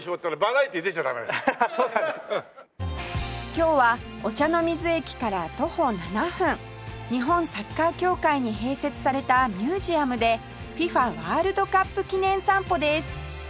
今日は御茶ノ水駅から徒歩７分日本サッカー協会に併設されたミュージアムで ＦＩＦＡ ワールドカップ記念散歩です